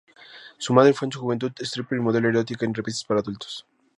Su madre fue en su juventud stripper y modelo erótica en revistas para adultos.